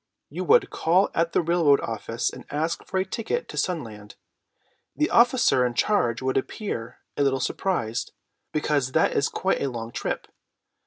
You would call at the railroad office and ask for a ticket to Sunland. The officer in charge would appear a little surprised, because that is quite a long trip.